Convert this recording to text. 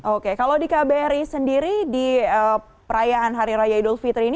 oke kalau di kbri sendiri di perayaan hari raya idul fitri ini